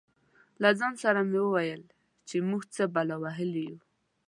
له ځان سره مې ویل چې موږ څه بلا وهلي یو.